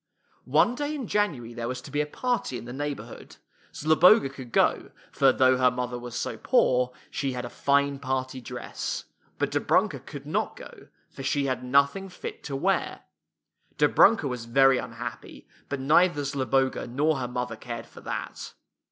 One day in January there was to be a party in the neighborhood. Zloboga could go, for though her mother was so poor, she had a fine party dress; but Dobrunka could not go, for she had nothing fit to wear. Dobrunka was very unhappy, but neither Zloboga nor her mother cared for that.